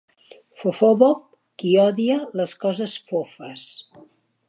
Fofòfob: qui odia les coses fofes.